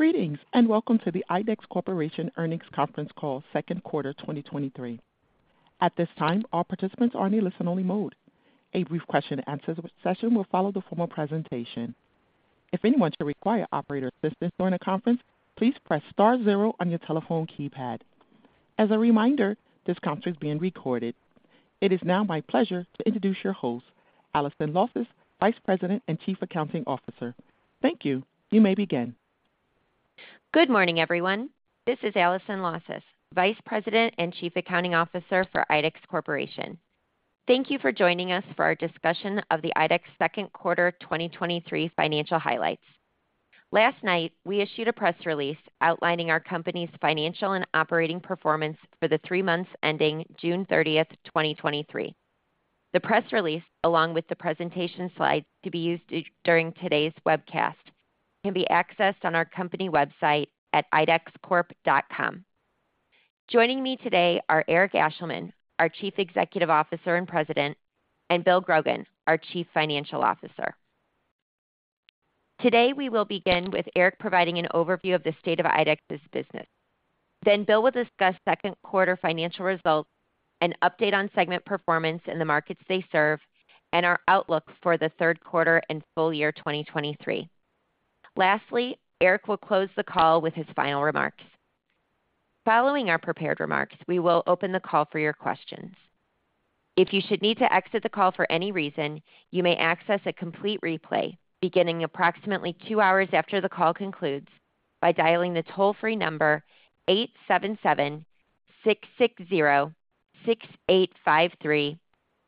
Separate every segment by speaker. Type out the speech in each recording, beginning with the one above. Speaker 1: Greetings, welcome to the IDEX Corporation Earnings Conference Call, second quarter 2023. At this time, all participants are in a listen-only mode. A brief question-and-answer session will follow the formal presentation. If anyone should require operator assistance during the conference, please press star zero on your telephone keypad. As a reminder, this conference is being recorded. It is now my pleasure to introduce your host, Allison Lausas, Vice President and Chief Accounting Officer. Thank you. You may begin.
Speaker 2: Good morning, everyone. This is Allison Lausas, Vice President and Chief Accounting Officer for IDEX Corporation. Thank you for joining us for our discussion of the IDEX Second Quarter 2023 Financial Highlights. Last night, we issued a press release outlining our company's financial and operating performance for the three months ending June 30, 2023. The press release, along with the presentation slides to be used during today's webcast, can be accessed on our company website at idexcorp.com. Joining me today are Eric Ashleman, our Chief Executive Officer and President, and Bill Grogan, our Chief Financial Officer. Today, we will begin with Eric providing an overview of the state of IDEX's business. Bill will discuss second quarter financial results, an update on segment performance in the markets they serve, and our outlook for the third quarter and full year 2023. Lastly, Eric will close the call with his final remarks. Following our prepared remarks, we will open the call for your questions. If you should need to exit the call for any reason, you may access a complete replay beginning approximately two hours after the call concludes by dialing the toll-free number 877-660-6853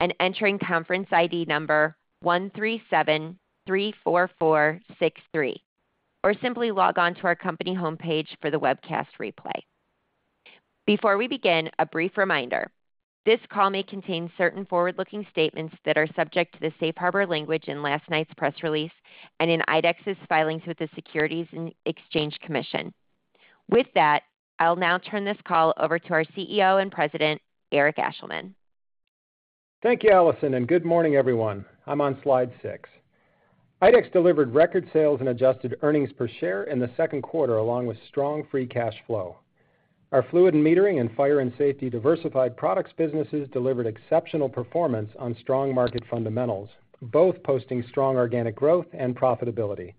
Speaker 2: and entering conference ID number 13734463, or simply log on to our company homepage for the webcast replay. Before we begin, a brief reminder. This call may contain certain forward-looking statements that are subject to the safe harbor language in last night's press release and in IDEX's filings with the Securities and Exchange Commission. I'll now turn this call over to our CEO and President, Eric Ashleman.
Speaker 3: Thank you, Allison, and good morning, everyone. I'm on slide 6. IDEX delivered record sales and adjusted EPS in the second quarter, along with strong free cash flow. Our Fluid & Metering Technologies and Fire & Safety/Diversified Products businesses delivered exceptional performance on strong market fundamentals, both posting strong organic growth and profitability,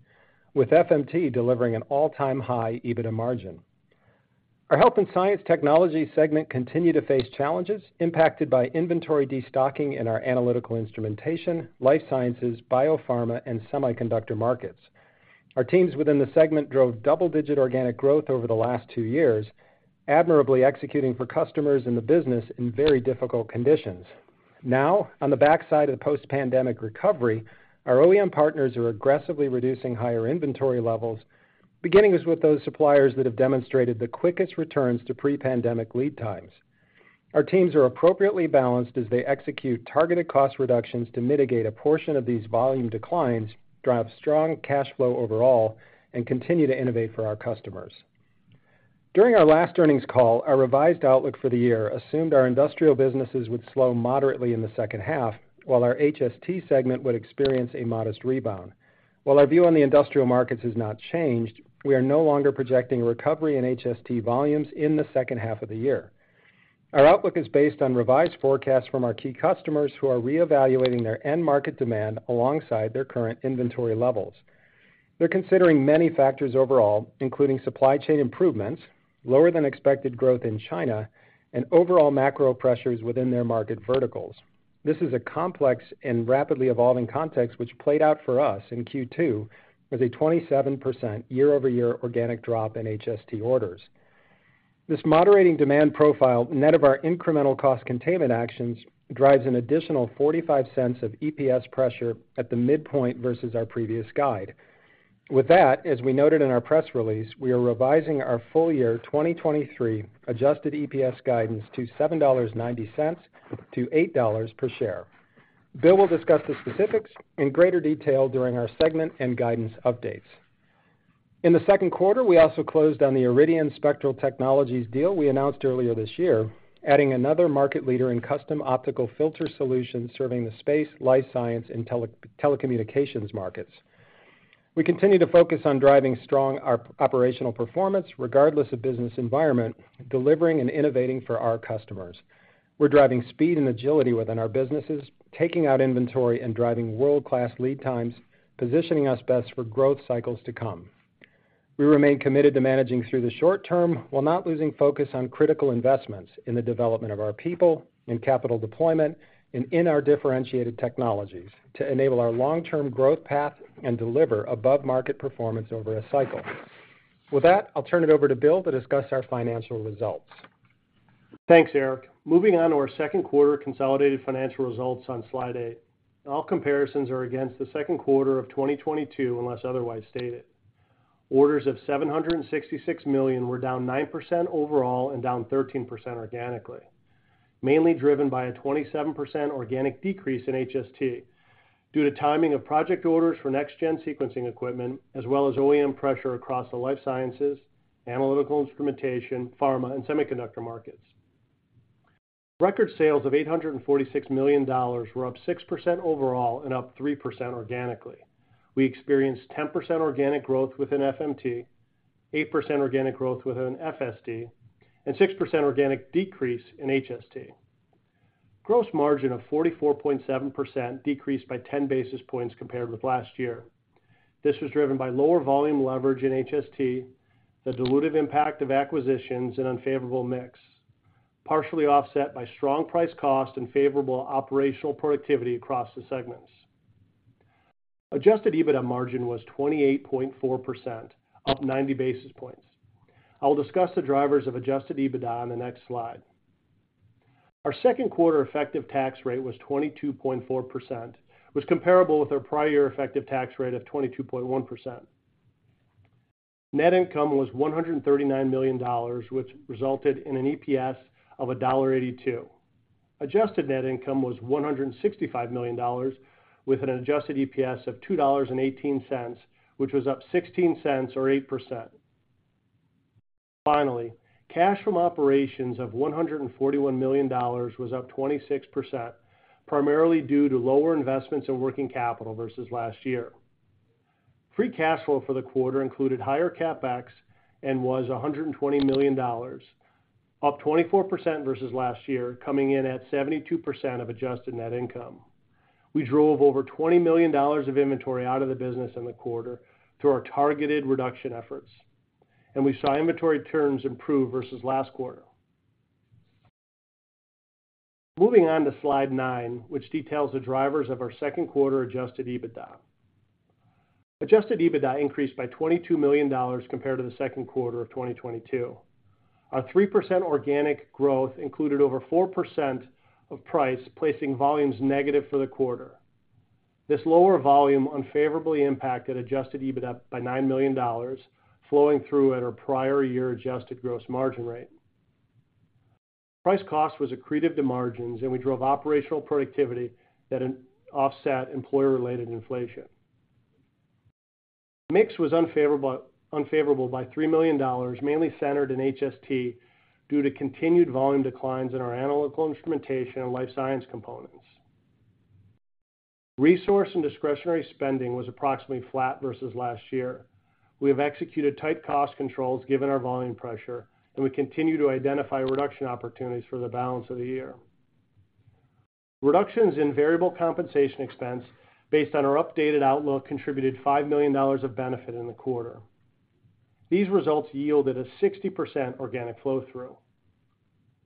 Speaker 3: with FMT delivering an all-time high EBITDA margin. Our Health & Science Technologies segment continued to face challenges impacted by inventory destocking in our analytical instrumentation, life sciences, biopharma, and semiconductor markets. Our teams within the segment drove double-digit organic growth over the last 2 years, admirably executing for customers in the business in very difficult conditions. Now, on the backside of the post-pandemic recovery, our OEM partners are aggressively reducing higher inventory levels, beginning with those suppliers that have demonstrated the quickest returns to pre-pandemic lead times. Our teams are appropriately balanced as they execute targeted cost reductions to mitigate a portion of these volume declines, drive strong cash flow overall, and continue to innovate for our customers. During our last earnings call, our revised outlook for the year assumed our industrial businesses would slow moderately in the second half, while our HST segment would experience a modest rebound. While our view on the industrial markets has not changed, we are no longer projecting a recovery in HST volumes in the second half of the year. Our outlook is based on revised forecasts from our key customers, who are reevaluating their end-market demand alongside their current inventory levels. They're considering many factors overall, including supply chain improvements, lower than expected growth in China, and overall macro pressures within their market verticals. This is a complex and rapidly evolving context, which played out for us in Q2 with a 27% year-over-year organic drop in HST orders. This moderating demand profile, net of our incremental cost containment actions, drives an additional $0.45 of EPS pressure at the midpoint versus our previous guide. With that, as we noted in our press release, we are revising our full year 2023 adjusted EPS guidance to $7.90-$8.00 per share. Bill will discuss the specifics in greater detail during our segment and guidance updates. In the second quarter, we also closed on the Iridian Spectral Technologies deal we announced earlier this year, adding another market leader in custom optical filter solutions serving the space, life science, and telecommunications markets. We continue to focus on driving strong operational performance regardless of business environment, delivering and innovating for our customers. We're driving speed and agility within our businesses, taking out inventory and driving world-class lead times, positioning us best for growth cycles to come. We remain committed to managing through the short term while not losing focus on critical investments in the development of our people, in capital deployment, and in our differentiated technologies to enable our long-term growth path and deliver above-market performance over a cycle. With that, I'll turn it over to Bill to discuss our financial results.
Speaker 4: Thanks, Eric. Moving on to our second quarter consolidated financial results on slide 8. All comparisons are against the second quarter of 2022, unless otherwise stated. Orders of $766 million were down 9% overall and down 13% organically, mainly driven by a 27% organic decrease in HST due to timing of project orders for next-gen sequencing equipment, as well as OEM pressure across the life sciences, analytical instrumentation, pharma, and semiconductor markets. Record sales of $846 million were up 6% overall and up 3% organically. We experienced 10% organic growth within FMT, 8% organic growth within FSD, and 6% organic decrease in HST. Gross margin of 44.7% decreased by 10 basis points compared with last year. This was driven by lower volume leverage in HST, the dilutive impact of acquisitions, and unfavorable mix, partially offset by strong price cost and favorable operational productivity across the segments. Adjusted EBITDA margin was 28.4%, up 90 basis points. I will discuss the drivers of adjusted EBITDA on the next slide. Our second quarter effective tax rate was 22.4%, was comparable with our prior effective tax rate of 22.1%. Net income was $139 million, which resulted in an EPS of $1.82. Adjusted net income was $165 million, with an adjusted EPS of $2.18, which was up $0.16 or 8%. Cash from operations of $141 million was up 26%, primarily due to lower investments in working capital versus last year. Free cash flow for the quarter included higher CapEx and was $120 million, up 24% versus last year, coming in at 72% of adjusted net income. We drove over $20 million of inventory out of the business in the quarter through our targeted reduction efforts, and we saw inventory terms improve versus last quarter. Moving on to slide 9, which details the drivers of our second quarter adjusted EBITDA. Adjusted EBITDA increased by $22 million compared to the second quarter of 2022. Our 3% organic growth included over 4% of price, placing volumes negative for the quarter. This lower volume unfavorably impacted adjusted EBITDA by $9 million, flowing through at our prior year adjusted gross margin rate. Price cost was accretive to margins, and we drove operational productivity that offset employer-related inflation. Mix was unfavorable by $3 million, mainly centered in HST due to continued volume declines in our analytical instrumentation and life science components. Resource and discretionary spending was approximately flat versus last year. We have executed tight cost controls given our volume pressure, and we continue to identify reduction opportunities for the balance of the year. Reductions in variable compensation expense based on our updated outlook contributed $5 million of benefit in the quarter. These results yielded a 60% organic flow-through.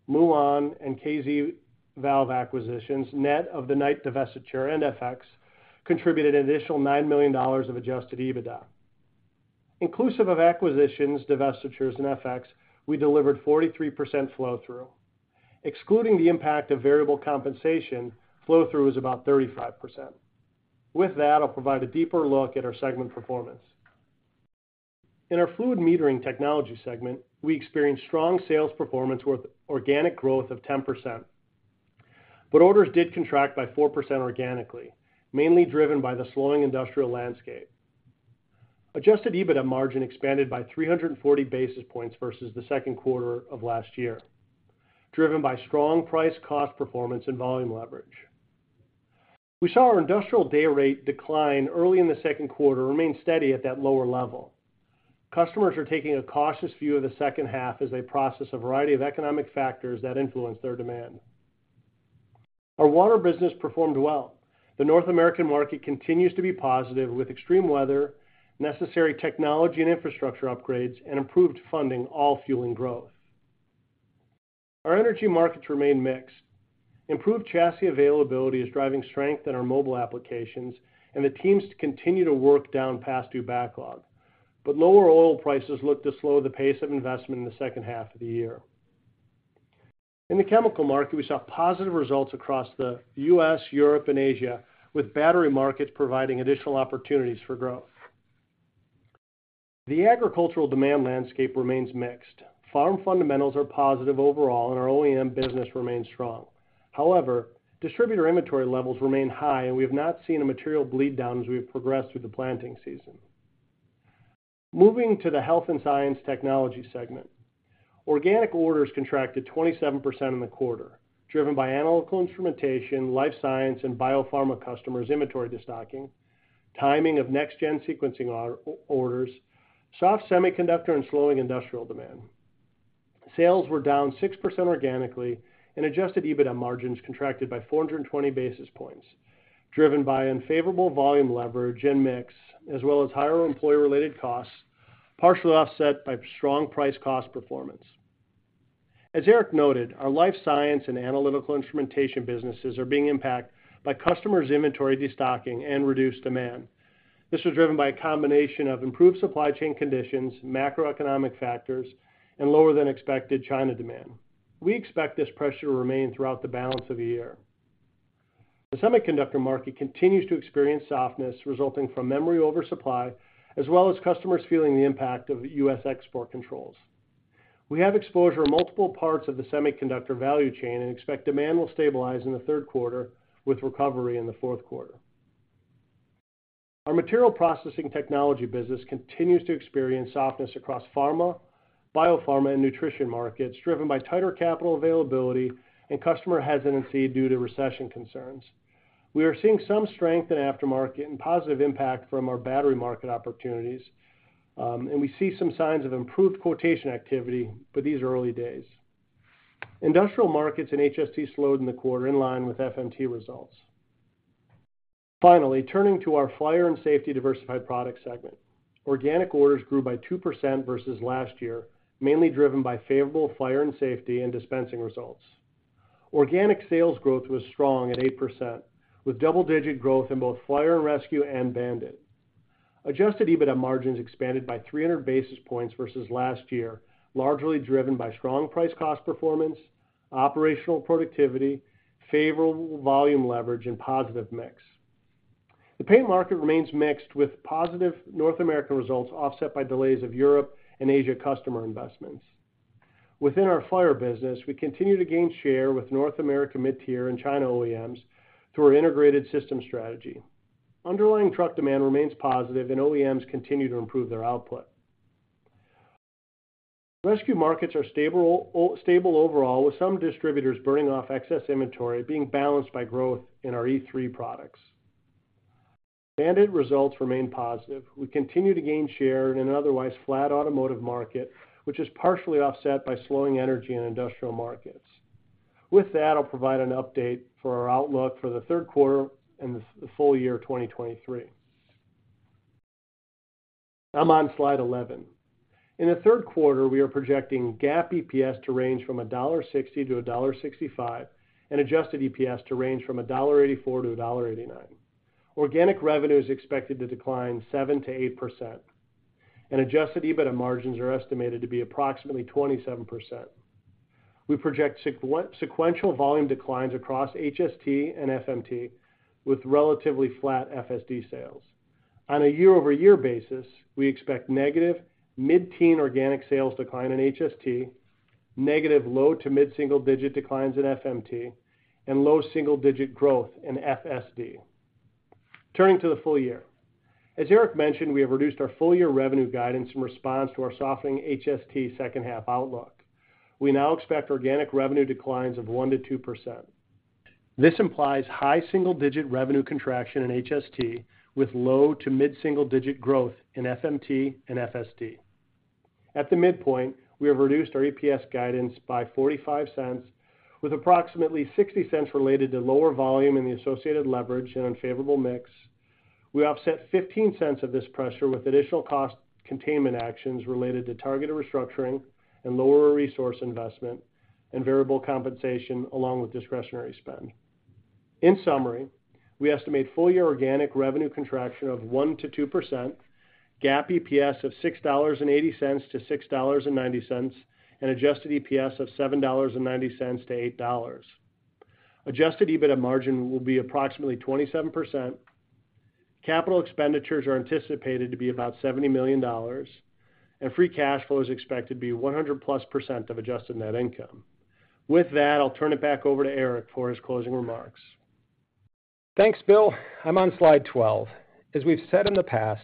Speaker 4: Muon and KZValve acquisitions, net of the Knight divestiture and FX, contributed an additional $9 million of adjusted EBITDA. Inclusive of acquisitions, divestitures, and FX, we delivered 43% flow-through. Excluding the impact of variable compensation, flow-through is about 35%. I'll provide a deeper look at our segment performance. In our Fluid Metering Technology segment, we experienced strong sales performance with organic growth of 10%, orders did contract by 4% organically, mainly driven by the slowing industrial landscape. Adjusted EBITDA margin expanded by 340 basis points versus the second quarter of last year, driven by strong price cost performance and volume leverage. We saw our industrial day rate decline early in the second quarter, remain steady at that lower level. Customers are taking a cautious view of the second half as they process a variety of economic factors that influence their demand. Our water business performed well. The North American market continues to be positive, with extreme weather, necessary technology and infrastructure upgrades, and improved funding, all fueling growth. Our energy markets remain mixed. Improved chassis availability is driving strength in our mobile applications. The teams continue to work down past due backlog. Lower oil prices look to slow the pace of investment in the second half of the year. In the chemical market, we saw positive results across the U.S., Europe, and Asia, with battery markets providing additional opportunities for growth. The agricultural demand landscape remains mixed. Farm fundamentals are positive overall. Our OEM business remains strong. However, distributor inventory levels remain high, and we have not seen a material bleed down as we have progressed through the planting season. Moving to the Health & Science Technologies segment. Organic orders contracted 27% in the quarter, driven by analytical instrumentation, life science, and biopharma customers' inventory destocking, timing of next-gen sequencing orders, soft semiconductor and slowing industrial demand. Sales were down 6% organically, and adjusted EBITDA margins contracted by 420 basis points, driven by unfavorable volume leverage and mix, as well as higher employee-related costs, partially offset by strong price cost performance. As Eric noted, our life science and analytical instrumentation businesses are being impacted by customers' inventory destocking and reduced demand. This was driven by a combination of improved supply chain conditions, macroeconomic factors, and lower than expected China demand. We expect this pressure to remain throughout the balance of the year. The semiconductor market continues to experience softness resulting from memory oversupply, as well as customers feeling the impact of U.S. export controls. We have exposure to multiple parts of the semiconductor value chain and expect demand will stabilize in the third quarter, with recovery in the fourth quarter. Our material processing technology business continues to experience softness across pharma, biopharma, and nutrition markets, driven by tighter capital availability and customer hesitancy due to recession concerns. We are seeing some strength in aftermarket and positive impact from our battery market opportunities, and we see some signs of improved quotation activity, but these are early days. Industrial markets and HST slowed in the quarter, in line with FMT results. Finally, turning to our Fire & Safety/Diversified Products segment. Organic orders grew by 2% versus last year, mainly driven by favorable fire and safety and dispensing results. Organic sales growth was strong at 8%, with double-digit growth in both fire and rescue and BAND-IT. Adjusted EBITDA margins expanded by 300 basis points versus last year, largely driven by strong price cost performance, operational productivity, favorable volume leverage and positive mix. The paint market remains mixed, with positive North American results offset by delays of Europe and Asia customer investments. Within our fire business, we continue to gain share with North America mid-tier and China OEMs through our integrated system strategy. Underlying truck demand remains positive and OEMs continue to improve their output. Rescue markets are stable overall, with some distributors burning off excess inventory being balanced by growth in our E3 products. BAND-IT results remain positive. We continue to gain share in an otherwise flat automotive market, which is partially offset by slowing energy and industrial markets. With that, I'll provide an update for our outlook for the third quarter and the full year 2023. I'm on slide 11. In the third quarter, we are projecting GAAP EPS to range from $1.60 to $1.65, and adjusted EPS to range from $1.84 to $1.89. Organic revenue is expected to decline 7%-8%, and adjusted EBITDA margins are estimated to be approximately 27%. We project sequential volume declines across HST and FMT, with relatively flat FSD sales. On a year-over-year basis, we expect negative mid-teen organic sales decline in HST, negative low to mid-single digit declines in FMT, and low single-digit growth in FSD. Turning to the full year. As Eric mentioned, we have reduced our full-year revenue guidance in response to our softening HST second half outlook. We now expect organic revenue declines of 1%-2%. This implies high single-digit revenue contraction in HST, with low to mid-single digit growth in FMT and FSD. At the midpoint, we have reduced our EPS guidance by $0.45, with approximately $0.60 related to lower volume and the associated leverage and unfavorable mix. We offset $0.15 of this pressure with additional cost containment actions related to targeted restructuring and lower resource investment and variable compensation, along with discretionary spend. In summary, we estimate full year organic revenue contraction of 1%-2%, GAAP EPS of $6.80-$6.90, and adjusted EPS of $7.90-$8. Adjusted EBITDA margin will be approximately 27%. Capital expenditures are anticipated to be about $70 million, and free cash flow is expected to be 100%+ of adjusted net income. With that, I'll turn it back over to Eric for his closing remarks.
Speaker 3: Thanks, Bill. I'm on slide 12. As we've said in the past,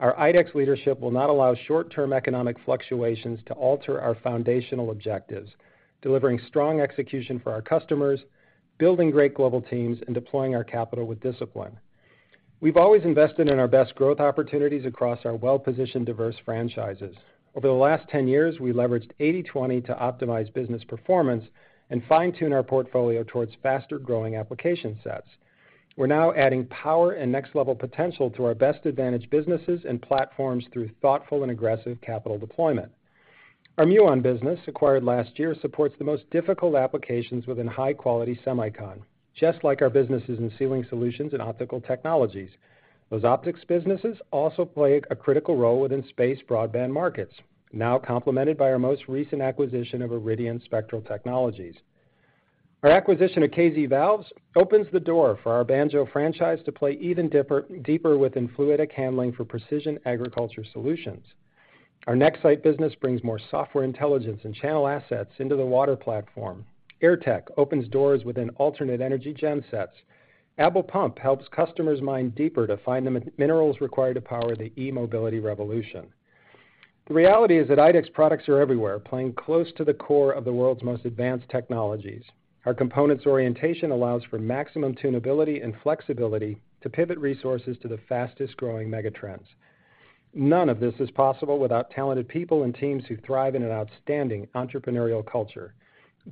Speaker 3: our IDEX leadership will not allow short-term economic fluctuations to alter our foundational objectives, delivering strong execution for our customers, building great global teams, and deploying our capital with discipline. We've always invested in our best growth opportunities across our well-positioned, diverse franchises. Over the last 10 years, we leveraged 80/20 to optimize business performance and fine-tune our portfolio towards faster-growing application sets. We're now adding power and next-level potential to our best advantage businesses and platforms through thoughtful and aggressive capital deployment. Our Muon business, acquired last year, supports the most difficult applications within high-quality semicon, just like our businesses in Sealing Solutions and Optical Technologies. Those optics businesses also play a critical role within space broadband markets, now complemented by our most recent acquisition of Iridian Spectral Technologies. Our acquisition of KZValve opens the door for our Banjo franchise to play even deeper within fluidic handling for precision agriculture solutions. Our Nexsight business brings more software intelligence and channel assets into the water platform. Airtech opens doors within alternate energy gen sets. ABEL Pumps helps customers mine deeper to find the minerals required to power the e-mobility revolution. The reality is that IDEX products are everywhere, playing close to the core of the world's most advanced technologies. Our components orientation allows for maximum tunability and flexibility to pivot resources to the fastest-growing megatrends. None of this is possible without talented people and teams who thrive in an outstanding entrepreneurial culture.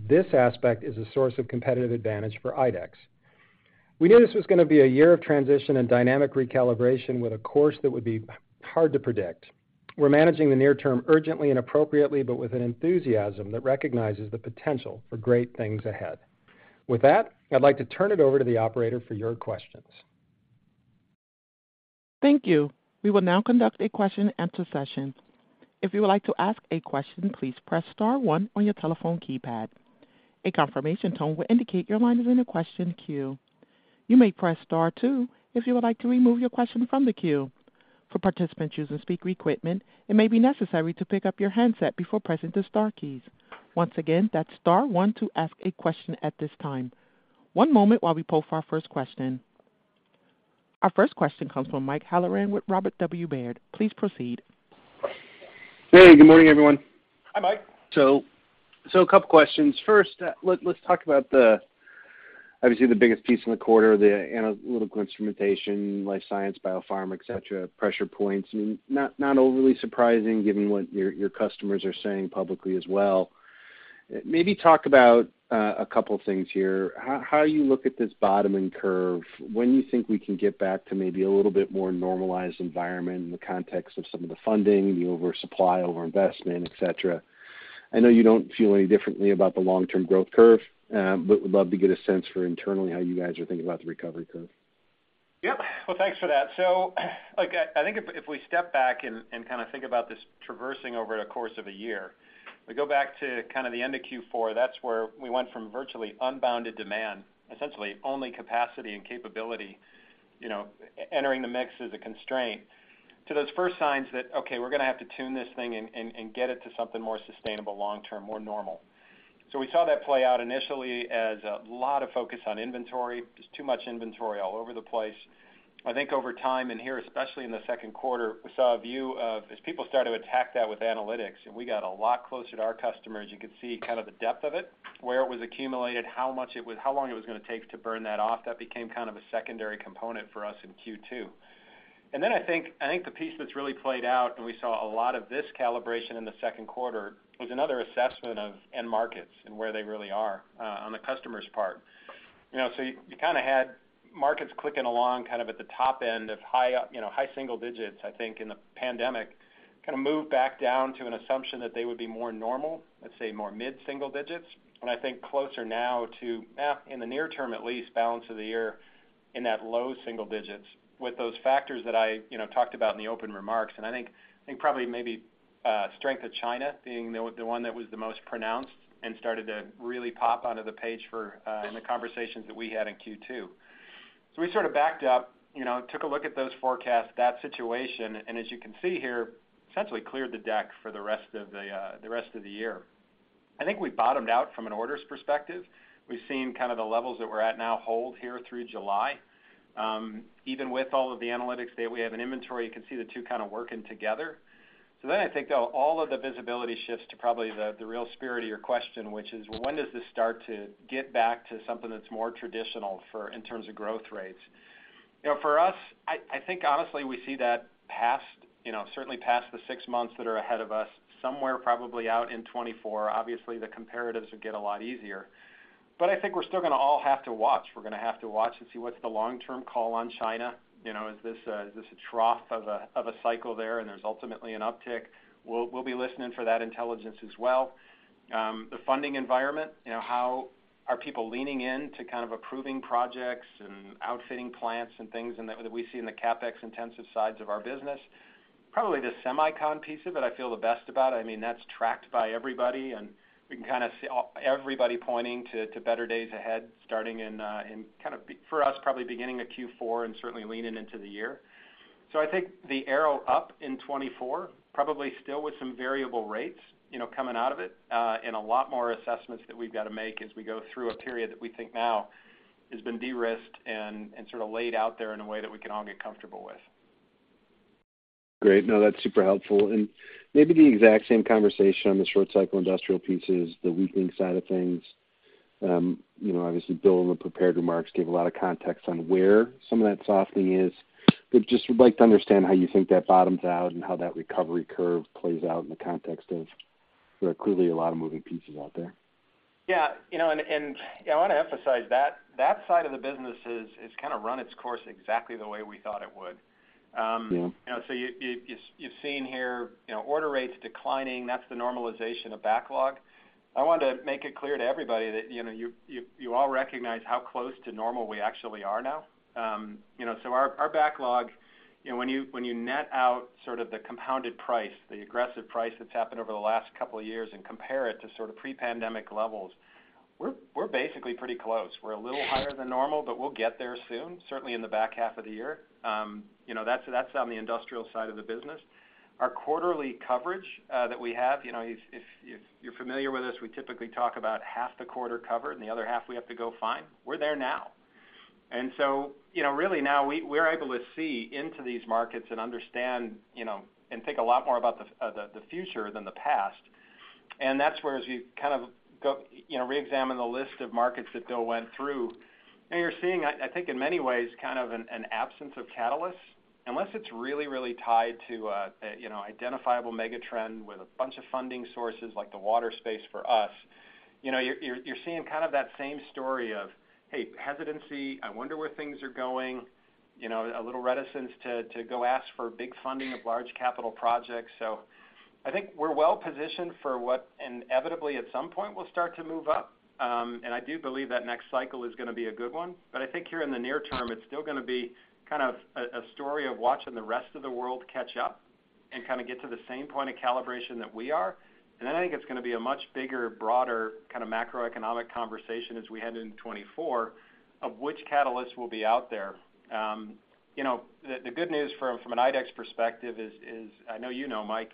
Speaker 3: This aspect is a source of competitive advantage for IDEX. We knew this was going to be a year of transition and dynamic recalibration with a course that would be hard to predict. We're managing the near term urgently and appropriately, but with an enthusiasm that recognizes the potential for great things ahead. With that, I'd like to turn it over to the operator for your questions.
Speaker 1: Thank you. We will now conduct a question-and-answer session. If you would like to ask a question, please press star one on your telephone keypad. A confirmation tone will indicate your line is in the question queue. You may press star two if you would like to remove your question from the queue. For participants using speaker equipment, it may be necessary to pick up your handset before pressing the star keys. Once again, that's star one to ask a question at this time. One moment while we poll for our first question. Our first question comes from Mike Halloran with Robert W. Baird. Please proceed.
Speaker 5: Hey, good morning, everyone.
Speaker 3: Hi, Mike.
Speaker 5: So a couple questions. First, let's talk about the, obviously, the biggest piece in the quarter, the analytical instrumentation, life science, biopharm, et cetera, pressure points, and not overly surprising given what your customers are saying publicly as well. Maybe talk about a couple things here. How you look at this bottoming curve, when you think we can get back to maybe a little bit more normalized environment in the context of some of the funding, the oversupply, over-investment, et cetera? I know you don't feel any differently about the long-term growth curve, but would love to get a sense for internally, how you guys are thinking about the recovery curve.
Speaker 3: Yep. Well, thanks for that. Look, I think if we step back and kind of think about this traversing over the course of a year, we go back to kind of the end of Q4, that's where we went from virtually unbounded demand, essentially only capacity and capability, you know, entering the mix as a constraint, to those first signs that, okay, we're gonna have to tune this thing and get it to something more sustainable long term, more normal. We saw that play out initially as a lot of focus on inventory. Just too much inventory all over the place. I think over time, and here, especially in the second quarter, we saw a view of. as people start to attack that with analytics, and we got a lot closer to our customers, you could see kind of the depth of it, where it was accumulated, how long it was gonna take to burn that off. That became kind of a secondary component for us in Q2. Then I think the piece that's really played out, and we saw a lot of this calibration in the second quarter, was another assessment of end markets and where they really are on the customer's part. You know, so you kind of had markets clicking along, kind of at the top end of high up, you know, high single digits, I think, in the pandemic, kind of moved back down to an assumption that they would be more normal, let's say more mid single digits. I think closer now to, in the near term, at least balance of the year, in that low single digits with those factors that I, you know, talked about in the open remarks. I think probably maybe, strength of China being the one that was the most pronounced and started to really pop onto the page for, in the conversations that we had in Q2. We sort of backed up, you know, took a look at those forecasts, that situation, and as you can see here, essentially cleared the deck for the rest of the year. I think we bottomed out from an orders perspective. We've seen kind of the levels that we're at now hold here through July. Even with all of the analytics data, we have an inventory. You can see the two kind of working together. I think, though, all of the visibility shifts to probably the, the real spirit of your question, which is: When does this start to get back to something that's more traditional for- in terms of growth rates? You know, for us, I, I think, honestly, we see that past, you know, certainly past the six months that are ahead of us, somewhere probably out in 2024. Obviously, the comparatives would get a lot easier. I think we're still gonna all have to watch. We're gonna have to watch and see what's the long-term call on China. You know, is this a, is this a trough of a, of a cycle there and there's ultimately an uptick? We'll, we'll be listening for that intelligence as well. The funding environment, you know, how are people leaning in to kind of approving projects and outfitting plants and things and that, that we see in the CapEx-intensive sides of our business? Probably the semicon piece of it I feel the best about. I mean, that's tracked by everybody, and we can kind of see everybody pointing to better days ahead, starting in for us, probably beginning of Q4, and certainly leaning into the year. I think the arrow up in 2024, probably still with some variable rates, you know, coming out of it, and a lot more assessments that we've got to make as we go through a period that we think now has been de-risked and, and sort of laid out there in a way that we can all get comfortable with.
Speaker 5: Great. No, that's super helpful. Maybe the exact same conversation on the short cycle industrial pieces, the weakening side of things. You know, obviously, Bill, in the prepared remarks, gave a lot of context on where some of that softening is. Just would like to understand how you think that bottoms out and how that recovery curve plays out in the context of, there are clearly a lot of moving pieces out there.
Speaker 3: Yeah, you know, I want to emphasize that that side of the business has kind of run its course exactly the way we thought it would.
Speaker 5: Yeah.
Speaker 3: You know, you've seen here, you know, order rates declining. That's the normalization of backlog. I want to make it clear to everybody that, you know, you all recognize how close to normal we actually are now. You know, so our backlog, you know, when you net out sort of the compounded price, the aggressive price that's happened over the last couple of years and compare it to sort of pre-pandemic levels, we're basically pretty close. We're a little higher than normal, but we'll get there soon, certainly in the back half of the year. You know, that's on the industrial side of the business. Our quarterly coverage, that we have, you know, if you're familiar with us, we typically talk about half the quarter covered, and the other half we have to go find. We're there now. You know, really now we're able to see into these markets and understand, you know, and think a lot more about the, the future than the past. That's where as you kind of go, you know, reexamine the list of markets that Bill went through, and you're seeing, I think, in many ways, kind of an absence of catalysts. Unless it's really, really tied to a, you know, identifiable mega trend with a bunch of funding sources, like the water space for us, you know, you're seeing kind of that same story of, hey, hesitancy, I wonder where things are going, you know, a little reticence to go ask for big funding of large capital projects. I think we're well positioned for what inevitably, at some point, will start to move up. I do believe that next cycle is gonna be a good one, but I think here in the near term, it's still gonna be kind of a story of watching the rest of the world catch up and kind of get to the same point of calibration that we are. I think it's going to be a much bigger, broader kind of macroeconomic conversation as we head into 2024, of which catalysts will be out there. You know, the good news from an IDEX perspective is, I know you know, Mike,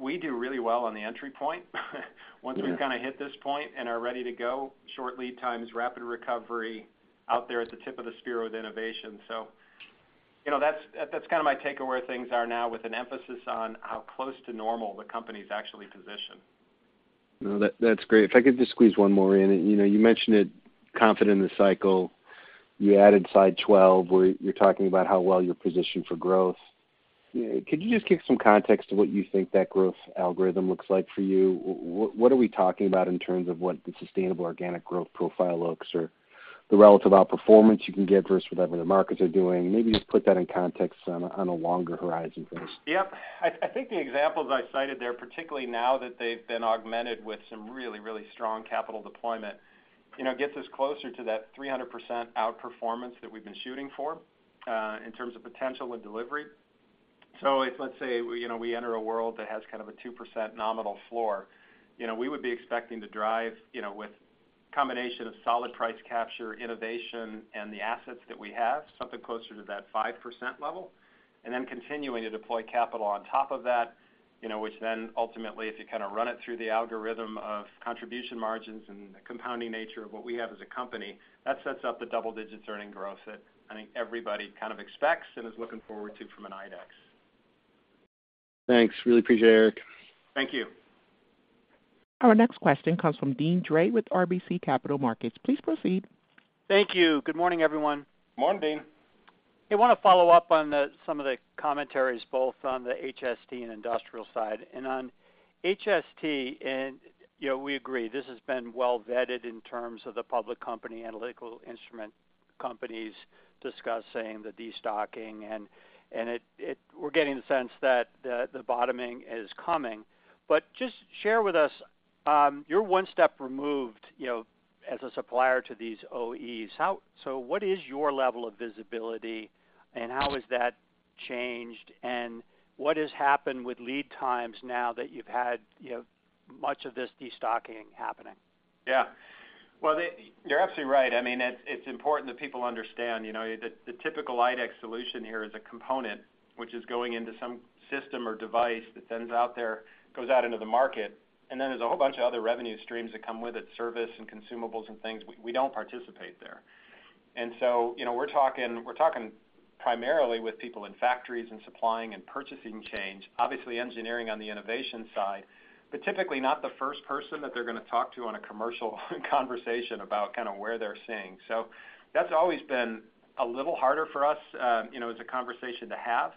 Speaker 3: we do really well on the entry point.
Speaker 5: Yeah.
Speaker 3: Once we've kind of hit this point and are ready to go, short lead times, rapid recovery out there at the tip of the spear with innovation. You know, that's, that's kind of my take on where things are now, with an emphasis on how close to normal the company is actually positioned.
Speaker 5: No, that, that's great. If I could just squeeze one more in. You know, you mentioned it, confident in the cycle. You added slide 12, where you're talking about how well you're positioned for growth. Could you just give some context to what you think that growth algorithm looks like for you? What are we talking about in terms of what the sustainable organic growth profile looks, or the relative outperformance you can get versus whatever the markets are doing? Maybe just put that in context on a, on a longer horizon for us.
Speaker 3: Yep. I think the examples I cited there, particularly now that they've been augmented with some really, really strong capital deployment, you know, gets us closer to that 300% outperformance that we've been shooting for in terms of potential and delivery. If, let's say, you know, we enter a world that has kind of a 2% nominal floor, you know, we would be expecting to drive, you know, with combination of solid price capture, innovation, and the assets that we have, something closer to that 5% level, and then continuing to deploy capital on top of that, you know, which then ultimately, if you kind of run it through the algorithm of contribution margins and the compounding nature of what we have as a company, that sets up the double-digit earnings growth that I think everybody kind of expects and is looking forward to from an IDEX.
Speaker 5: Thanks. Really appreciate it, Eric.
Speaker 3: Thank you.
Speaker 1: Our next question comes from Deane Dray with RBC Capital Markets. Please proceed.
Speaker 6: Thank you. Good morning, everyone.
Speaker 3: Morning, Deane.
Speaker 6: I want to follow up on the, some of the commentaries, both on the HST and industrial side. On HST, and, you know, we agree, this has been well vetted in terms of the public company, analytical instrument companies discussing the destocking, and it, we're getting the sense that the, the bottoming is coming. Just share with us, you're one step removed, you know, as a supplier to these OEs. How so what is your level of visibility, and how has that changed, and what has happened with lead times now that you've had, you know, much of this destocking happening?
Speaker 3: Yeah. Well, you're absolutely right. I mean, it's important that people understand, you know, the, the typical IDEX solution here is a component which is going into some system or device that then is out there, goes out into the market, and then there's a whole bunch of other revenue streams that come with it, service and consumables and things. We don't participate there. You know, we're talking, we're talking primarily with people in factories and supplying and purchasing change, obviously, engineering on the innovation side, but typically not the first person that they're going to talk to on a commercial conversation about kind of where they're seeing. That's always been a little harder for us, you know, as a conversation to have.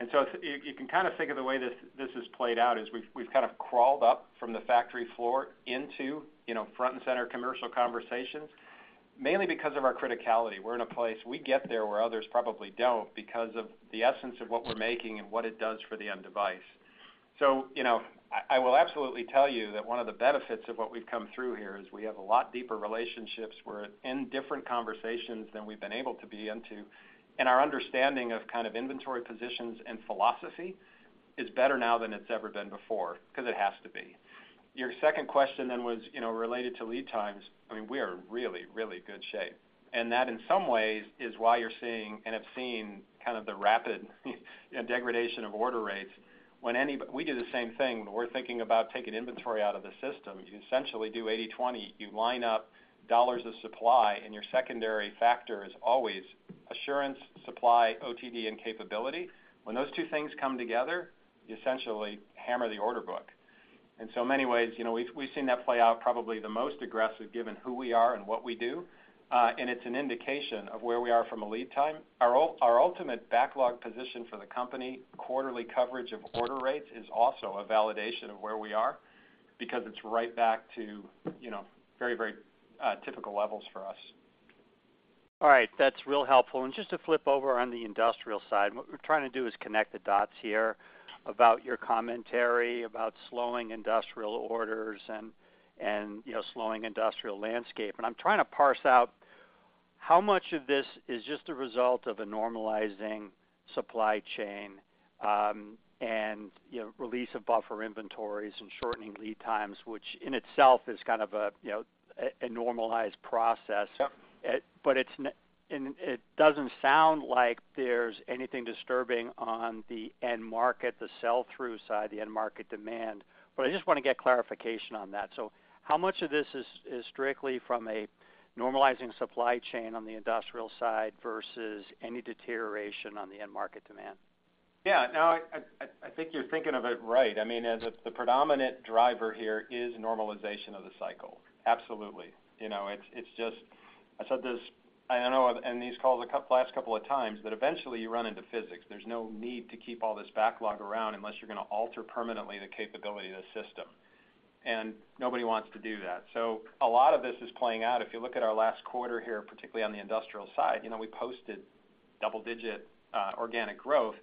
Speaker 3: If you can kind of think of the way this has played out, is we've kind of crawled up from the factory floor into, you know, front and center commercial conversations, mainly because of our criticality. We're in a place. We get there, where others probably don't, because of the essence of what we're making and what it does for the end device. You know, I will absolutely tell you that one of the benefits of what we've come through here is we have a lot deeper relationships. We're in different conversations than we've been able to be into, and our understanding of kind of inventory positions and philosophy is better now than it's ever been before, because it has to be. Your second question was, you know, related to lead times. I mean, we are in really, really good shape, and that, in some ways, is why you're seeing and have seen kind of the rapid, you know, degradation of order rates. When we do the same thing, when we're thinking about taking inventory out of the system, you essentially do 80/20. You line up dollars of supply, and your secondary factor is always assurance, supply, OTD, and capability. When those two things come together, you essentially hammer the order book. In many ways, you know, we've, we've seen that play out probably the most aggressive, given who we are and what we do, and it's an indication of where we are from a lead time. Our ultimate backlog position for the company, quarterly coverage of order rates, is also a validation of where we are, because it's right back to, you know, very typical levels for us.
Speaker 6: All right. That's real helpful. Just to flip over on the industrial side, what we're trying to do is connect the dots here about your commentary about slowing industrial orders and, you know, slowing industrial landscape. I'm trying to parse out, how much of this is just a result of a normalizing supply chain, and, you know, release of buffer inventories and shortening lead times, which in itself is kind of a, you know, a normalized process?
Speaker 3: Yep.
Speaker 6: It doesn't sound like there's anything disturbing on the end market, the sell-through side, the end market demand. I just want to get clarification on that. How much of this is, is strictly from a normalizing supply chain on the industrial side versus any deterioration on the end market demand?
Speaker 3: No, I think you're thinking of it right. I mean, as the, the predominant driver here is normalization of the cycle. Absolutely. You know, it's, it's just I said this, I don't know, in these calls last couple of times, that eventually you run into physics. There's no need to keep all this backlog around unless you're going to alter permanently the capability of the system, and nobody wants to do that. A lot of this is playing out. If you look at our last quarter here, particularly on the industrial side, you know, we posted double-digit organic growth.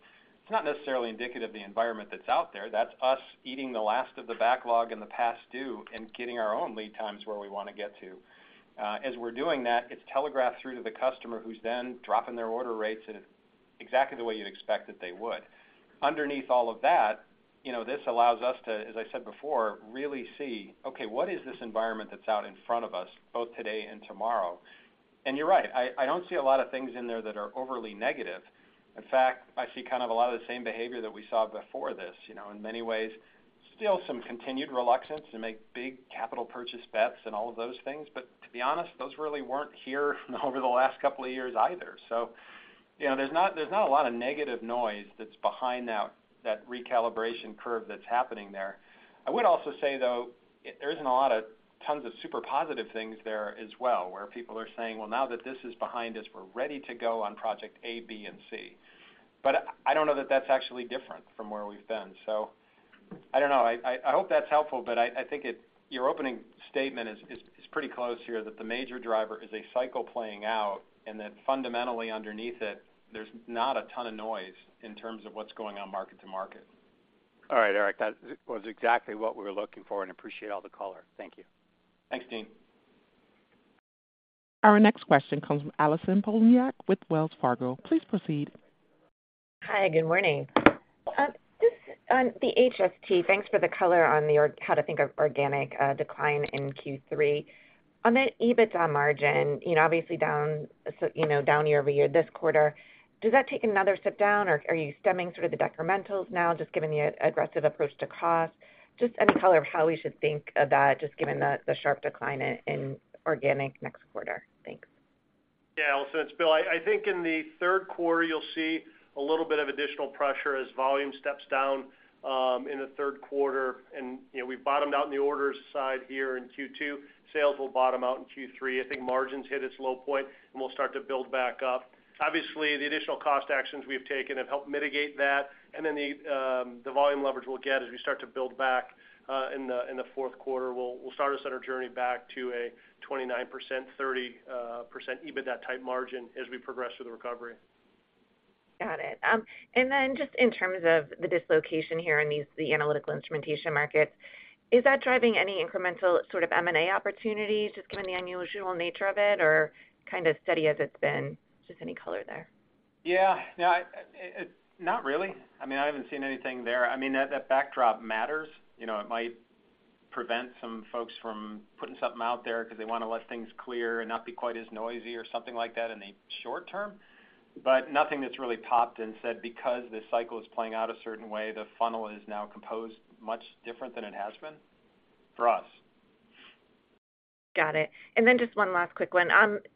Speaker 3: It's not necessarily indicative of the environment that's out there. That's us eating the last of the backlog and the past due and getting our own lead times where we want to get to. As we're doing that, it's telegraphed through to the customer, who's then dropping their order rates at. exactly the way you'd expect that they would. Underneath all of that, you know, this allows us to, as I said before, really see, okay, what is this environment that's out in front of us, both today and tomorrow? You're right, I don't see a lot of things in there that are overly negative. In fact, I see kind of a lot of the same behavior that we saw before this. You know, in many ways, still some continued reluctance to make big capital purchase bets and all of those things. To be honest, those really weren't here over the last couple of years either. You know, there's not a lot of negative noise that's behind that, that recalibration curve that's happening there. I would also say, though, there isn't a lot of tons of super positive things there as well, where people are saying, "Well, now that this is behind us, we're ready to go on project A, B, and C." I don't know that that's actually different from where we've been. I don't know. I hope that's helpful, but I think it your opening statement is pretty close here, that the major driver is a cycle playing out, and that fundamentally underneath it, there's not a ton of noise in terms of what's going on market to market.
Speaker 6: All right, Eric, that was exactly what we were looking for, and appreciate all the color. Thank you.
Speaker 3: Thanks, Deane.
Speaker 1: Our next question comes from Allison Poliniak with Wells Fargo. Please proceed.
Speaker 7: Hi, good morning. Just on the HST, thanks for the color on your how to think of organic decline in Q3. On the EBITDA margin, you know, obviously down, so, you know, down year-over-year this quarter, does that take another step down, or are you stemming sort of the decrementals now, just given the aggressive approach to cost? Just any color of how we should think of that, just given the sharp decline in organic next quarter? Thanks.
Speaker 4: Yeah, Allison, it's Bill. I think in the third quarter, you'll see a little bit of additional pressure as volume steps down in the third quarter. You know, we bottomed out in the orders side here in Q2. Sales will bottom out in Q3. I think margins hit its low point, and we'll start to build back up. Obviously, the additional cost actions we've taken have helped mitigate that, and then the volume leverage we'll get as we start to build back in the fourth quarter will start us on our journey back to a 29%, 30% EBITDA-type margin as we progress through the recovery.
Speaker 7: Got it. Just in terms of the dislocation here in these, the analytical instrumentation markets, is that driving any incremental sort of M&A opportunities, just given the unusual nature of it, or kind of steady as it's been? Just any color there.
Speaker 3: Yeah. No, not really. I mean, I haven't seen anything there. I mean, that, that backdrop matters. You know, it might prevent some folks from putting something out there because they want to let things clear and not be quite as noisy or something like that in the short term, but nothing that's really popped and said, because this cycle is playing out a certain way, the funnel is now composed much different than it has been for us.
Speaker 7: Got it. Just one last quick one.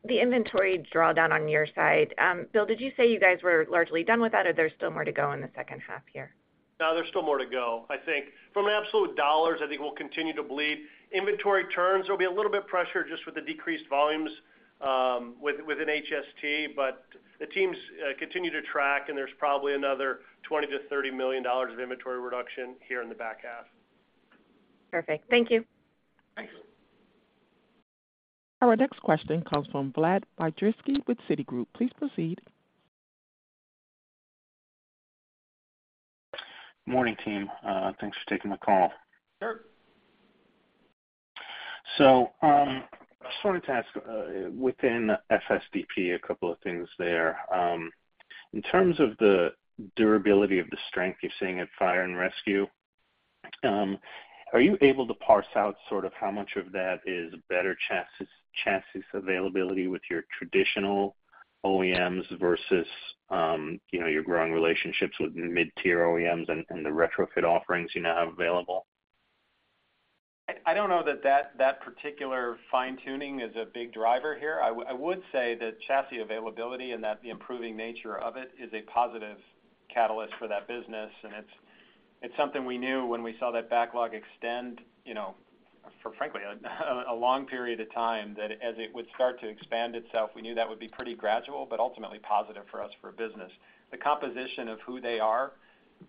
Speaker 7: The inventory drawdown on your side, Bill, did you say you guys were largely done with that, or there's still more to go in the second half here?
Speaker 4: No, there's still more to go. I think from absolute dollars, I think we'll continue to bleed. Inventory turns, there'll be a little bit pressure just with the decreased volumes within HST, but the teams continue to track, and there's probably another $20 million-$30 million of inventory reduction here in the back half.
Speaker 7: Perfect. Thank you.
Speaker 4: Thanks.
Speaker 1: Our next question comes from Vlad Bystricky with Citigroup. Please proceed.
Speaker 8: Morning, team. Thanks for taking the call.
Speaker 4: Sure.
Speaker 8: Just wanted to ask, within FSDP, a couple of things there. In terms of the durability of the strength you're seeing at Fire and Rescue, are you able to parse out sort of how much of that is better chassis availability with your traditional OEMs versus, you know, your growing relationships with mid-tier OEMs and the retrofit offerings you now have available?
Speaker 3: I don't know that that particular fine-tuning is a big driver here. I would say that chassis availability and that the improving nature of it is a positive catalyst for that business, and it's something we knew when we saw that backlog extend, you know, for frankly, a long period of time, that as it would start to expand itself, we knew that would be pretty gradual, but ultimately positive for us for business. The composition of who they are,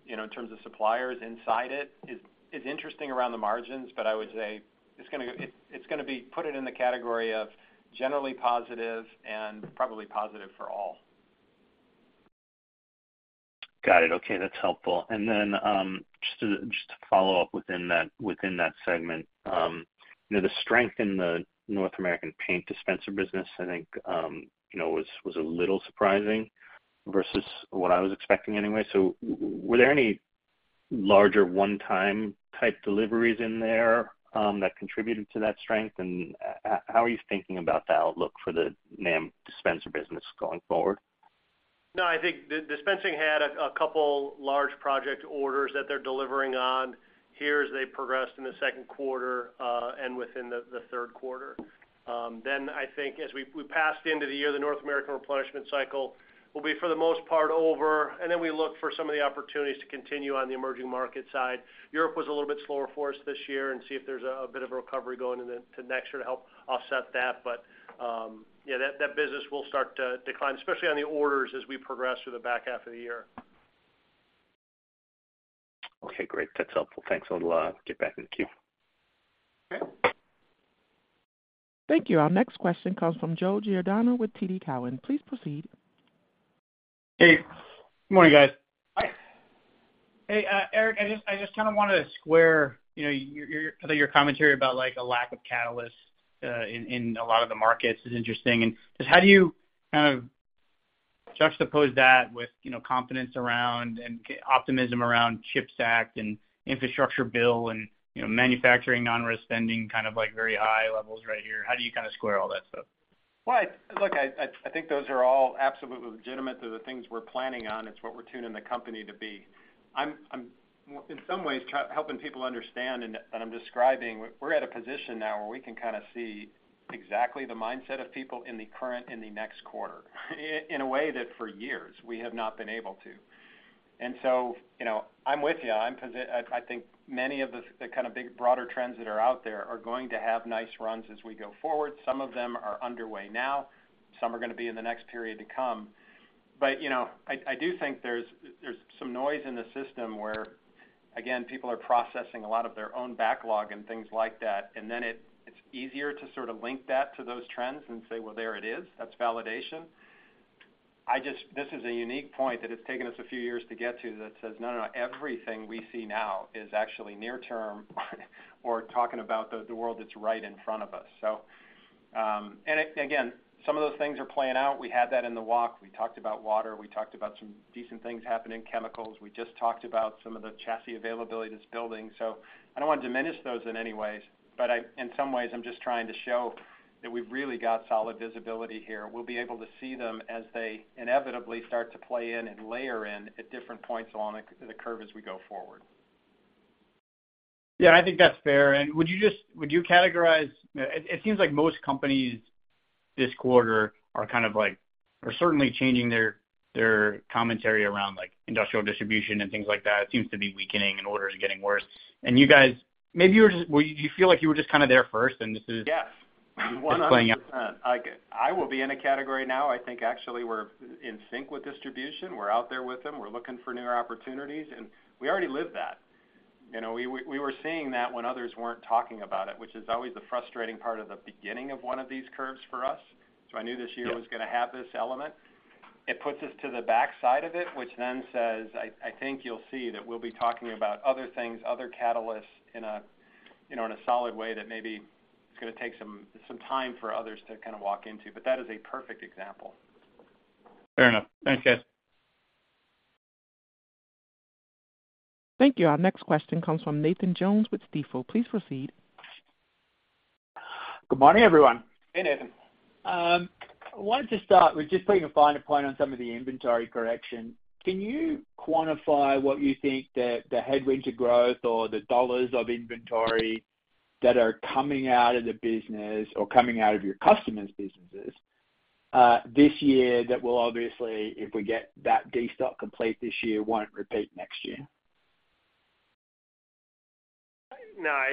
Speaker 3: you know, in terms of suppliers inside it, is interesting around the margins, but I would say it's gonna be put it in the category of generally positive and probably positive for all.
Speaker 8: Got it. Okay, that's helpful. Just to follow up within that segment, you know, the strength in the North American paint dispenser business, I think, you know, was a little surprising versus what I was expecting anyway. Were there any larger one-time type deliveries in there that contributed to that strength? How are you thinking about the outlook for the NAM dispenser business going forward?
Speaker 4: I think the dispensing had a couple large project orders that they're delivering on here as they progressed in the second quarter and within the third quarter. I think as we passed into the year, the North American replenishment cycle will be, for the most part, over, and then we look for some of the opportunities to continue on the emerging market side. Europe was a little bit slower for us this year, and see if there's a bit of a recovery going into next year to help offset that. Yeah, that business will start to decline, especially on the orders as we progress through the back half of the year.
Speaker 8: Okay, great. That's helpful. Thanks a lot. Get back in the queue.
Speaker 4: Okay.
Speaker 1: Thank you. Our next question comes from Joseph Giordano with TD Cowen. Please proceed.
Speaker 9: Hey, good morning, guys. Hey, Eric, I just kind of want to square, you know, your, your, I thought your commentary about, like, a lack of catalyst, in, in a lot of the markets is interesting. Just how do you kind of juxtapose that with, you know, confidence around and optimism around CHIPS Act and infrastructure bill and, you know, manufacturing non-risk spending, kind of like very high levels right here? How do you kind of square all that stuff?
Speaker 3: Well, look, I think those are all absolutely legitimate. They're the things we're planning on. It's what we're tuning the company to be. I'm in some ways, try helping people understand, and I'm describing, we're at a position now where we can kind of see exactly the mindset of people in the current and the next quarter, in a way that for years we have not been able to. You know, I'm with you. I think many of the, the kind of big, broader trends that are out there are going to have nice runs as we go forward. Some of them are underway now. Some are going to be in the next period to come. You know, I, I do think there's, there's some noise in the system where, again, people are processing a lot of their own backlog and things like that, and then it, it's easier to sort of link that to those trends and say, "Well, there it is. That's validation." This is a unique point that has taken us a few years to get to, that says, "No, no, everything we see now is actually near term or talking about the, the world that's right in front of us." Again, some of those things are playing out. We had that in the walk. We talked about water. We talked about some decent things happening in chemicals. We just talked about some of the chassis availability that's building. I don't want to diminish those in any ways, but in some ways, I'm just trying to show that we've really got solid visibility here. We'll be able to see them as they inevitably start to play in and layer in at different points along the curve as we go forward.
Speaker 9: Yeah, I think that's fair. Would you just, would you categorize? It seems like most companies this quarter are kind of like, certainly changing their commentary around, like, industrial distribution and things like that. It seems to be weakening and orders are getting worse. You guys, maybe you were just well, you feel like you were just kind of there first, and this is.
Speaker 3: Yes.
Speaker 9: just playing out.
Speaker 3: 100%. Like, I will be in a category now. I think actually we're in sync with distribution. We're out there with them. We're looking for newer opportunities, and we already lived that. You know, we were seeing that when others weren't talking about it, which is always the frustrating part of the beginning of one of these curves for us. I knew this year
Speaker 4: Yeah
Speaker 3: was going to have this element. It puts us to the backside of it, which then says, I think you'll see that we'll be talking about other things, other catalysts in a, you know, in a solid way that maybe is going to take some time for others to kind of walk into. That is a perfect example.
Speaker 9: Fair enough. Thanks, guys.
Speaker 1: Thank you. Our next question comes from Nathan Jones with Stifel. Please proceed.
Speaker 10: Good morning, everyone.
Speaker 3: Hey, Nathan.
Speaker 10: I wanted to start with just putting a finer point on some of the inventory correction. Can you quantify what you think the, the headwind to growth or the dollar of inventory that are coming out of the business or coming out of your customers' businesses this year, that will obviously, if we get that destock complete this year, won't repeat next year?
Speaker 4: No, I,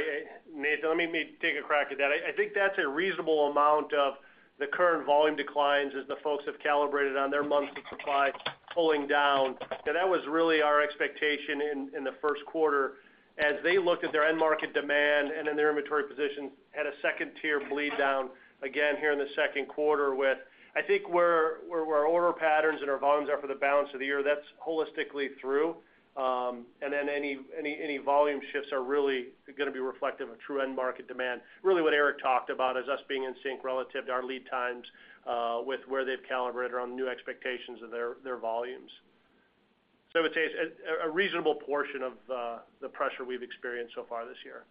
Speaker 4: Nathan, let me take a crack at that. I think that's a reasonable amount of the current volume declines as the folks have calibrated on their months of supply pulling down. That was really our expectation in the first quarter as they looked at their end market demand and then their inventory position at a second tier bleed down again here in the second quarter with, I think, where our order patterns and our volumes are for the balance of the year, that's holistically through. Any volume shifts are really going to be reflective of true end market demand. Really, what Eric talked about is us being in sync relative to our lead times with where they've calibrated around new expectations of their volumes.
Speaker 3: I would say a reasonable portion of the pressure we've experienced so far this year.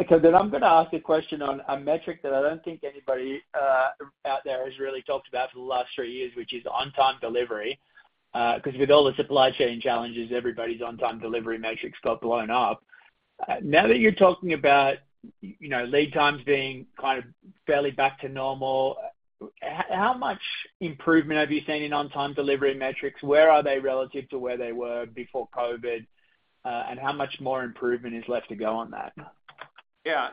Speaker 10: Okay. I'm going to ask a question on a metric that I don't think anybody out there has really talked about for the last three years, which is on-time delivery. With all the supply chain challenges, everybody's on-time delivery metrics got blown up. Now that you're talking about, you know, lead times being kind of fairly back to normal, how much improvement have you seen in on-time delivery metrics? Where are they relative to where they were before COVID, and how much more improvement is left to go on that?
Speaker 3: Yeah.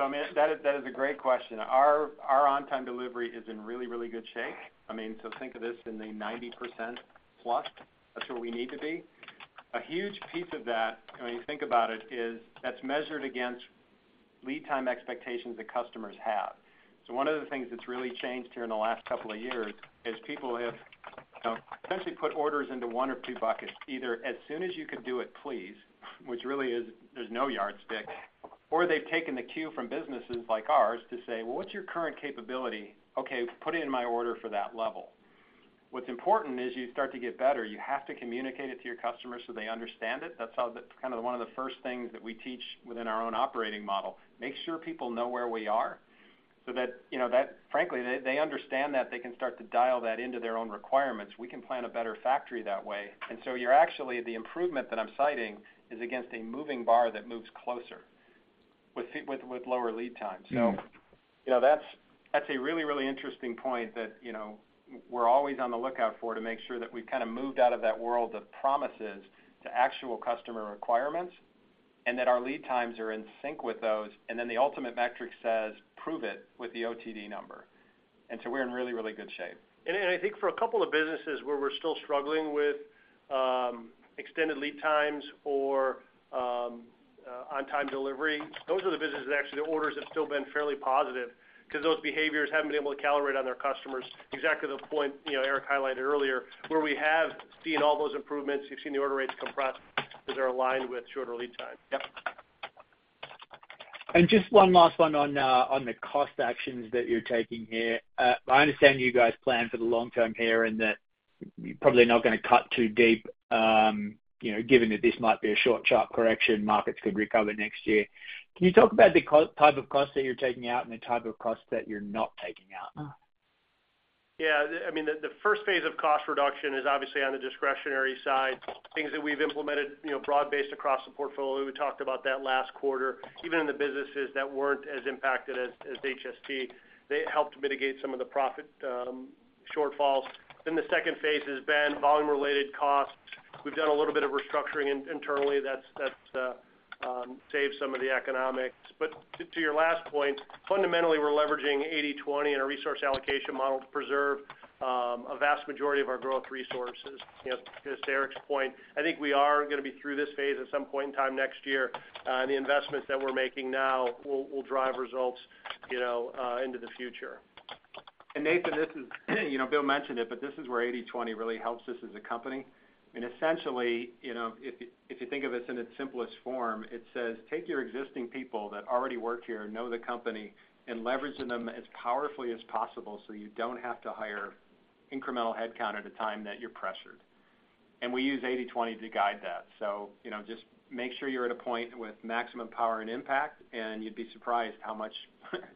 Speaker 3: I mean, that is, that is a great question. Our on-time delivery is in really, really good shape. I mean, think of this in the 90% plus. That's where we need to be. A huge piece of that, I mean, think about it, is that's measured against lead time expectations that customers have. One of the things that's really changed here in the last couple of years is people have, you know, essentially put orders into one or two buckets, either as soon as you can do it, please, which really is there's no yardstick, or they've taken the cue from businesses like ours to say: Well, what's your current capability? Okay, put in my order for that level. What's important is you start to get better. You have to communicate it to your customers so they understand it. That's how, that's kind of one of the first things that we teach within our own operating model. Make sure people know where we are so that, you know, that frankly, they, they understand that they can start to dial that into their own requirements. We can plan a better factory that way. You're actually, the improvement that I'm citing is against a moving bar that moves closer with lower lead time. You know, that's, that's a really, really interesting point that, you know, we're always on the lookout for to make sure that we've kind of moved out of that world of promises to actual customer requirements, and that our lead times are in sync with those, and then the ultimate metric says, prove it with the OTD number. We're in really, really good shape.
Speaker 4: I think for a couple of businesses where we're still struggling with extended lead times or on-time delivery, those are the businesses that actually the orders have still been fairly positive because those behaviors haven't been able to calibrate on their customers. Exactly the point, you know, Eric highlighted earlier, where we have seen all those improvements, we've seen the order rates compress because they're aligned with shorter lead time.
Speaker 3: Yep.
Speaker 10: Just one last one on, on the cost actions that you're taking here. I understand you guys plan for the long term here, and that you're probably not gonna cut too deep, you know, given that this might be a short, sharp correction, markets could recover next year. Can you talk about the type of costs that you're taking out and the type of costs that you're not taking out?
Speaker 4: Yeah, I mean, the phase I of cost reduction is obviously on the discretionary side, things that we've implemented, you know, broad-based across the portfolio. We talked about that last quarter. Even in the businesses that weren't as impacted as HST, they helped mitigate some of the profit shortfalls. The phase II has been volume-related costs. We've done a little bit of restructuring internally that saved some of the economics. To your last point, fundamentally, we're leveraging 80/20 in our resource allocation model to preserve a vast majority of our growth resources. You know, to Eric's point, I think we are gonna be through this phase at some point in time next year. The investments that we're making now will drive results, you know, into the future.
Speaker 3: Nathan, this is, you know, Bill mentioned it, but this is where 80/20 really helps us as a company. Essentially, you know, if, if you think of this in its simplest form, it says, "Take your existing people that already work here and know the company, and leverage them as powerfully as possible so you don't have to hire incremental headcount at a time that you're pressured." We use 80/20 to guide that. You know, just make sure you're at a point with maximum power and impact, and you'd be surprised how much,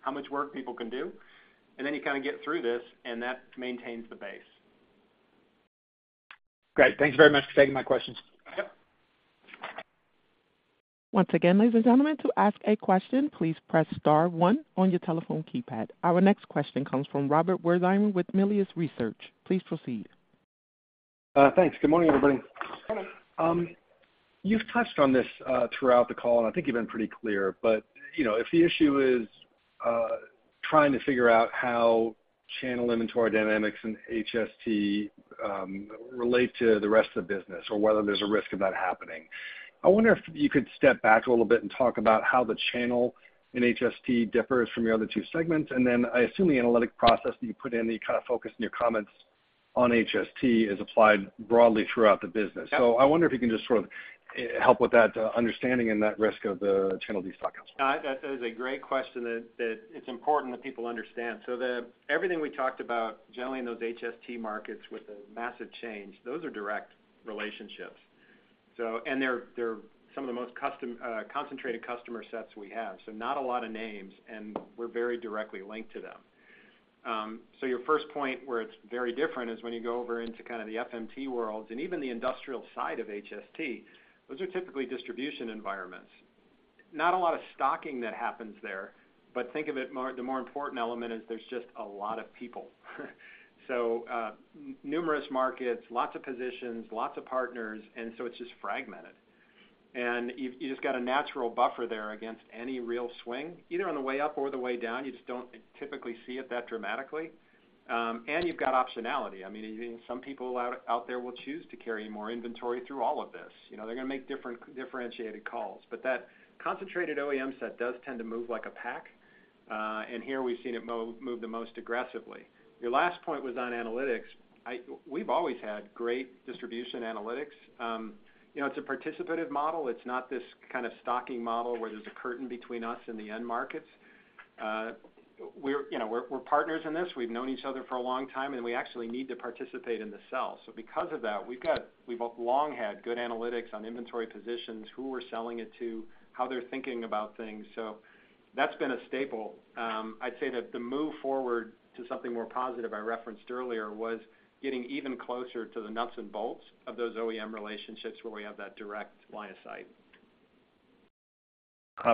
Speaker 3: how much work people can do. Then you kind of get through this, and that maintains the base.
Speaker 10: Great. Thank you very much for taking my questions.
Speaker 3: Yep.
Speaker 1: Once again, ladies and gentlemen, to ask a question, please press star one on your telephone keypad. Our next question comes from Rob Wertheimer with Melius Research. Please proceed.
Speaker 11: Thanks. Good morning, everybody.
Speaker 3: Good morning.
Speaker 11: You've touched on this throughout the call, and I think you've been pretty clear. You know, if the issue is trying to figure out how channel inventory dynamics and HST relate to the rest of the business or whether there's a risk of that happening, I wonder if you could step back a little bit and talk about how the channel in HST differs from your other two segments. I assume the analytic process that you put in, and you kind of focused in your comments on HST, is applied broadly throughout the business.
Speaker 3: Yep.
Speaker 11: I wonder if you can just sort of, help with that, understanding and that risk of the channel destocking.
Speaker 3: No, that is a great question that it's important that people understand. Everything we talked about, generally in those HST markets with the massive change, those are direct relationships. And they're some of the most custom, concentrated customer sets we have. Not a lot of names, and we're very directly linked to them. Your first point, where it's very different, is when you go over into kind of the FMT world, and even the industrial side of HST, those are typically distribution environments. Not a lot of stocking that happens there, but think of it more, the more important element is there's just a lot of people. Numerous markets, lots of positions, lots of partners, and so it's just fragmented. You've just got a natural buffer there against any real swing, either on the way up or the way down. You just don't typically see it that dramatically. You've got optionality. I mean, some people out there will choose to carry more inventory through all of this. You know, they're gonna make different, differentiated calls. That concentrated OEM set does tend to move like a pack. Here we've seen it move the most aggressively. Your last point was on analytics. We've always had great distribution analytics. You know, it's a participative model. It's not this kind of stocking model where there's a curtain between us and the end markets. We're, you know, we're partners in this. We've known each other for a long time, and we actually need to participate in the sell. Because of that, we've got, we've long had good analytics on inventory positions, who we're selling it to, how they're thinking about things, so that's been a staple. I'd say that the move forward to something more positive I referenced earlier was getting even closer to the nuts and bolts of those OEM relationships, where we have that direct line of sight.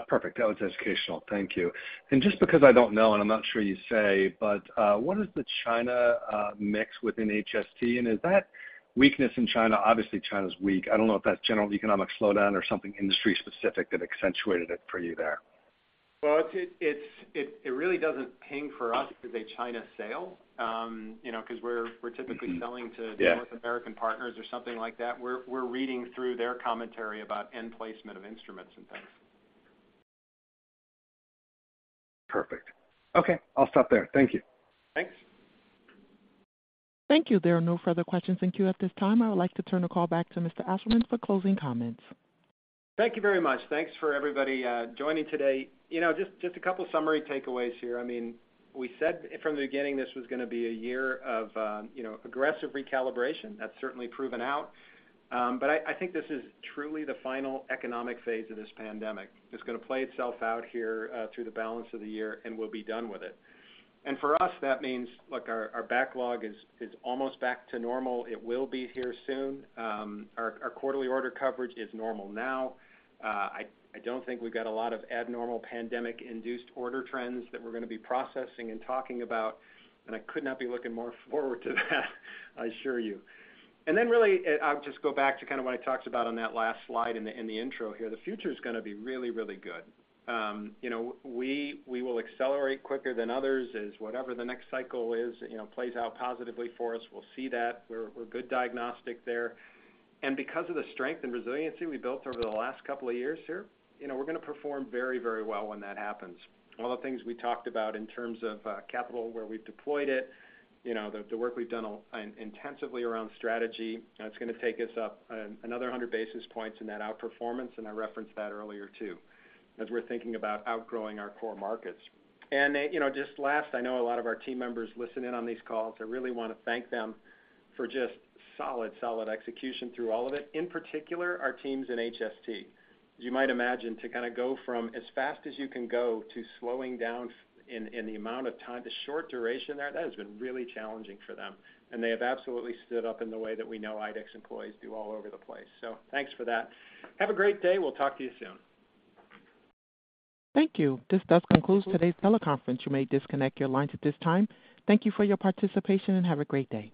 Speaker 11: Perfect. That was educational. Thank you. Just because I don't know, and I'm not sure you'd say, what is the China mix within HST? Is that weakness in China, obviously China's weak, general economic slowdown or something industry specific that accentuated it for you there?
Speaker 3: Well, it's really doesn't ping for us as a China sale, you know, Yeah. typically selling to North American partners or something like that. We're reading through their commentary about end placement of instruments and things.
Speaker 11: Perfect. Okay, I'll stop there. Thank you.
Speaker 3: Thanks.
Speaker 1: Thank you. There are no further questions in queue at this time. I would like to turn the call back to Mr. Ashleman for closing comments.
Speaker 3: Thank you very much. Thanks for everybody joining today. You know, just a couple summary takeaways here. I mean, we said from the beginning this was gonna be a year of, you know, aggressive recalibration. That's certainly proven out. But I think this is truly the final economic phase of this pandemic. It's gonna play itself out here through the balance of the year, and we'll be done with it. For us, that means, look, our backlog is almost back to normal. It will be here soon. Our quarterly order coverage is normal now. I don't think we've got a lot of abnormal pandemic-induced order trends that we're gonna be processing and talking about, and I could not be looking more forward to that, I assure you. Really, I'll just go back to kind of what I talked about on that last slide in the intro here. The future's gonna be really, really good. You know, we will accelerate quicker than others as whatever the next cycle is, you know, plays out positively for us. We'll see that. We're good diagnostic there. Because of the strength and resiliency we built over the last couple of years here, you know, we're gonna perform very, very well when that happens. All the things we talked about in terms of capital, where we've deployed it, you know, the work we've done intensively around strategy, it's gonna take us up another 100 basis points in that outperformance, and I referenced that earlier, too, as we're thinking about outgrowing our core markets. You know, just last, I know a lot of our team members listen in on these calls. I really wanna thank them for just solid, solid execution through all of it, in particular, our teams in HST. You might imagine, to kind of go from as fast as you can go to slowing down in the amount of time, the short duration there, that has been really challenging for them, and they have absolutely stood up in the way that we know IDEX employees do all over the place. Thanks for that. Have a great day. We'll talk to you soon.
Speaker 1: Thank you. This does conclude today's teleconference. You may disconnect your lines at this time. Thank you for your participation, and have a great day.